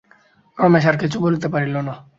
রমেশ আর কিছু বলিতে পারিল না।